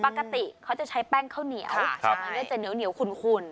ปกติเขาจะใช้แป้งข้าวเหนียวค่ะใช่มันก็จะเหนียวเหนียวขุนขุน